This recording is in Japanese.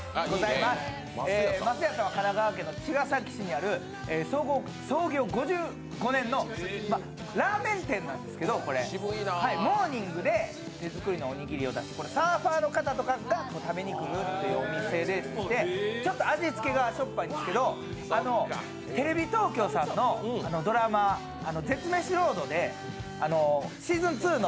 ますやさんは神奈川県茅ヶ崎市にある創業５５年のラーメン店なんですけれども、モーニングで手作りのおにぎりを出してて、サーファーの方とかが食べに来るお店でしてちょっと味付けがしょっぱいんですけど、「テレビ東京」さんのドラマ、「絶メシロード」で「ｓｅａｓｏｎ２」